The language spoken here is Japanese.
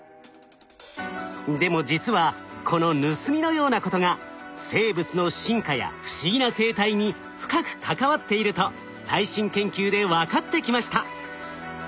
でも実はこの盗みのようなことが生物の進化や不思議な生態に深く関わっていると最新研究で分かってきました。